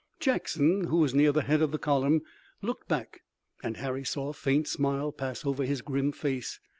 Jackson, who was near the head of the column, looked back and Harry saw a faint smile pass over his grim face.